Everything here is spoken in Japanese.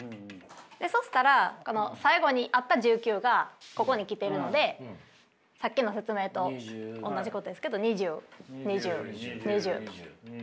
そしたら最後にあった１９がここに来ているのでさっきの説明とおんなじことですけど２０２０２０と。